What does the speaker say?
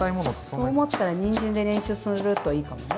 そう思ったらにんじんで練習するといいかもね。